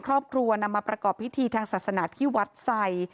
ครอบครัวนำมาประกอบพิธีทางศาสนาที่วัดไซ